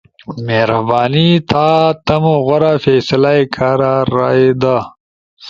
مہربانی تھا تمو غورا فیصلہ ئی کارا رائے دا۔